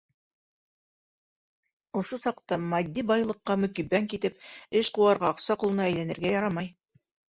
Ошо саҡта матди байлыҡҡа мөкиббән китеп, эшҡыуарға аҡса ҡолона әйләнергә ярамай.